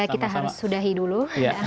kita harus sudahi dulu